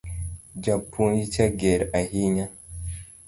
Japuonj cha ger ahinya